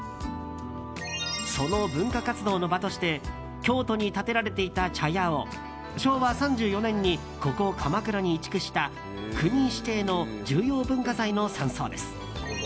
その文化活動の場として京都に立てられていた茶屋を昭和３４年にここ鎌倉に移築した国指定の重要文化財の山荘です。